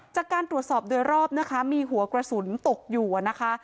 จากการตรวจสอบโดยรอบนะคะมีหัวกระสุนตกอยู่นะคะ